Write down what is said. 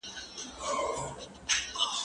هغه وويل چي کتاب ګټور دی